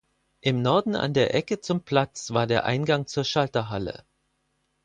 Im Norden an der Ecke zum Platz war der Eingang zur Schalterhalle.